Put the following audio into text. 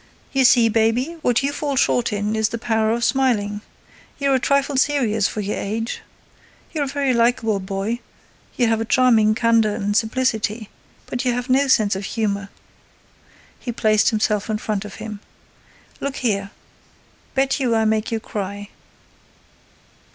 "You see, baby, what you fall short in is the power of smiling; you're a trifle serious for your age. You're a very likeable boy, you have a charming candor and simplicity—but you have no sense of humor." He placed himself in front of him. "Look here, bet you I make you cry!